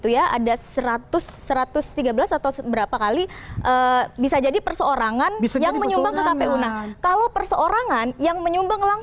jadi siapa pengembangan